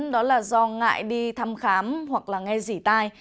đó là do ngại đi thăm khám hoặc nghe dỉ tai